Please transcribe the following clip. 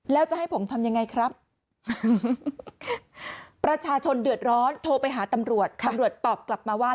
แล้วจะให้ผมทำยังไงครับประชาชนเดือดร้อนโทรไปหาตำรวจตำรวจตอบกลับมาว่า